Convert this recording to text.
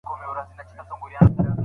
مجرد کس یوازي خپل کار ته نه ګوري.